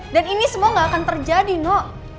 dan ini semua gak akan terjadi no